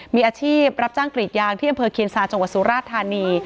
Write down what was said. มีอาชีพรับจ้างกรีดยางที่อำเภอเคียนซาจังหวัดสุราธานี